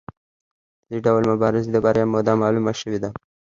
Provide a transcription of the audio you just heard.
د دې ډول مبارزې د بریا موده معلومه شوې ده.